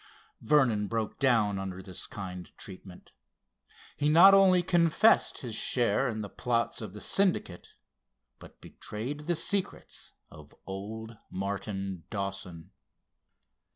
Vernon broke down under this kind treatment. He not only confessed his share in the plots of the Syndicate, but betrayed the secrets of old Martin Dawson.